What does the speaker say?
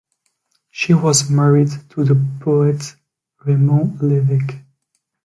She was married to the poet Raymond Lévesque.